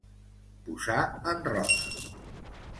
Posar en roda.